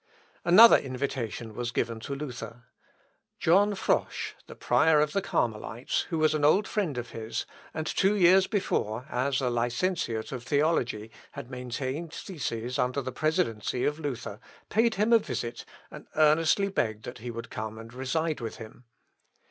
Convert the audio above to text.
Another invitation was given to Luther. John Frosch, the prior of the Carmelites, who was an old friend of his, and two years before, as a licentiate of theology, had maintained theses under the presidency of Luther, paid him a visit, and earnestly begged he would come and reside with him.